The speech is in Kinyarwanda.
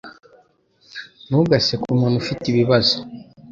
Ntugaseke umuntu ufite ibibazo.